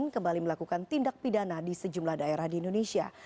kembali melakukan tindak pidana di sejumlah daerah di indonesia